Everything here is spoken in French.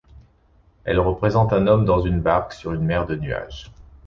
Elle représente un homme dans une barque sur une mer de nuages.